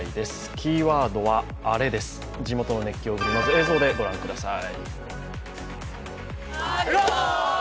キーワードはアレです、地元の熱狂ぶり、まず映像でご覧ください。